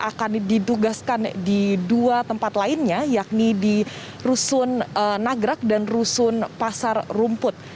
akan didugaskan di dua tempat lainnya yakni di rusun nagrak dan rusun pasar rumput